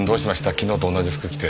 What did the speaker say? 昨日と同じ服着て。